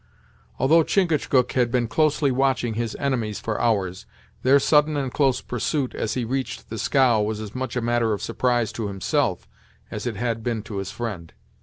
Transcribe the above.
Although Chingachgook had been closely watching his enemies for hours, their sudden and close pursuit as he reached the scow was as much a matter of surprise to himself, as it had been to his friend.